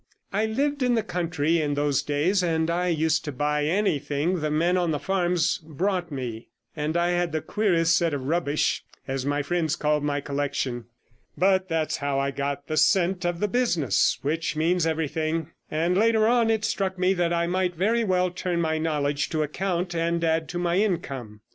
I lived in the country in those days, and I used to buy anything the men on the farms brought me; and I had the queerest set of rubbish, as my friends called my collection. But that's how I got the scent of the business, which means everything; and, later on, it struck me that I might very well turn my knowledge to account and add to my income.